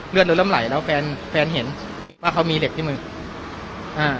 เลือดเราเริ่มไหลแล้วแฟนแฟนเห็นว่าเขามีเหล็กที่มืออ่า